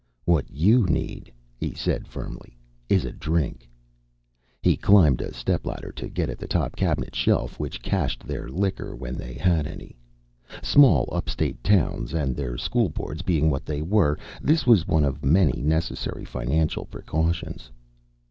"What you need," he said firmly, "is a drink." He climbed a stepladder to get at the top cabinet shelf which cached their liquor when they had any. Small upstate towns and their school boards being what they were, this was one of many necessary financial precautions.